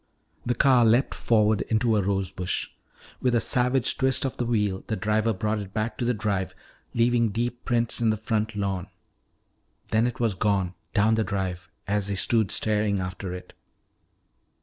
The car leaped forward into a rose bush. With a savage twist of the wheel the driver brought it back to the drive, leaving deep prints in the front lawn. Then it was gone, down the drive, as they stood staring after it.